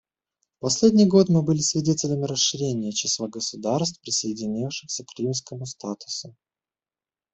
В последний год мы были свидетелями расширения числа государств, присоединившихся к Римскому статуту.